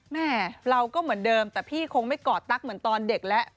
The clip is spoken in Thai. แม่เราก็เหมือนเดิมแต่พี่คงไม่กอดตั๊กเหมือนตอนเด็กแล้ว